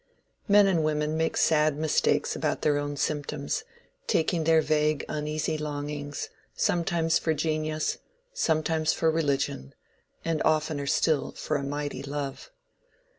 Men and women make sad mistakes about their own symptoms, taking their vague uneasy longings, sometimes for genius, sometimes for religion, and oftener still for a mighty love.